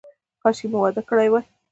کاشکې مو واده کړی وای.